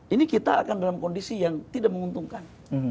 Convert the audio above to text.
ini kita akan dalam kondisi yang tidak menguntungkan